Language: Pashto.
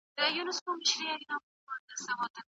زه هڅه کوم چي هره مياشت يو نوی کتاب خلاص کړم.